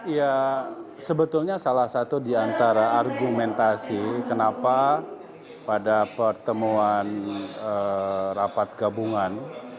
ya sebetulnya salah satu di antara argumentasi kenapa pada pertemuan rapat gabungan